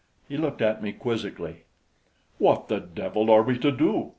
He looked at me quizzically. "What the devil are we to do?"